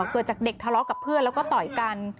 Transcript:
เกิดจากเด็กทะเลาะกับเพื่อนแล้วก็ต่อยกัน